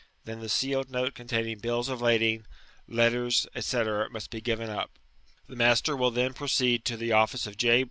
then the sealed note containing bills of lading, letters, &c., must be given up. Ihe master wiH then proceed to the office of J.